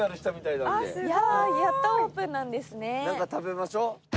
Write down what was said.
なんか食べましょう。